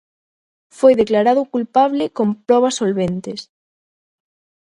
Foi declarado culpable con probas solventes.